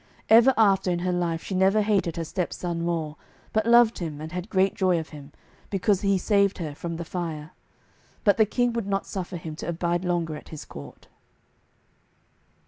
Ever after in her life she never hated her stepson more, but loved him and had great joy of him, because he saved her from the fire. But the king would not suffer him to abide longer at his court.